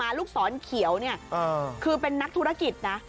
ลูกศรเขียวเนี่ยคือเป็นนักธุรกิจนะ